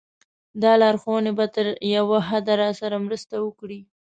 دا لارښوونې به تر یوه حده راسره مرسته وکړي.